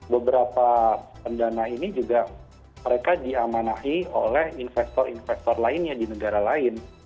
beberapa pendana ini juga mereka diamanahi oleh investor investor lainnya di negara lain